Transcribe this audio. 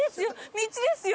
道ですよ！